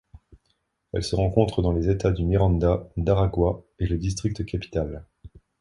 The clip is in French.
Elle se rencontre dans les États de Miranda et d'Aragua et le District Capitale.